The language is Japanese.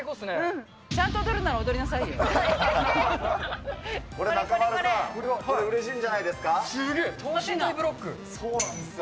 ちゃんと踊るなら踊りなさいよ。